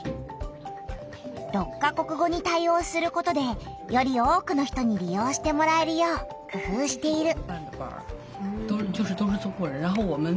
６か国語に対おうすることでより多くの人にり用してもらえるようくふうしている。